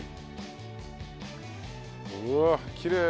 うわっきれい。